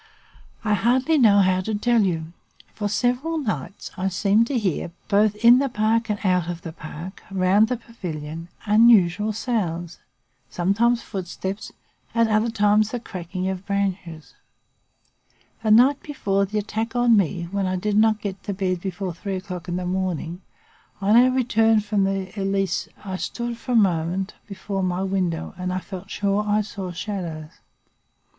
I hardly know how to tell you. For several nights, I seemed to hear, both in the park and out of the park, round the pavilion, unusual sounds, sometimes footsteps, at other times the cracking of branches. The night before the attack on me, when I did not get to bed before three o'clock in the morning, on our return from the Elysee, I stood for a moment before my window, and I felt sure I saw shadows. "Q.